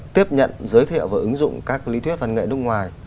tiếp nhận giới thiệu và ứng dụng các lý thuyết văn nghệ nước ngoài